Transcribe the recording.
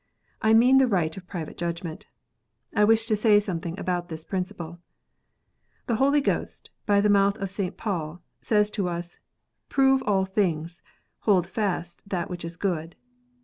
I mean the right of private judgment. I wish to say something about that principle. The Holy Ghost, by the mouth of St. Paul, says to us, " Prove all things ; hold fast that which is good."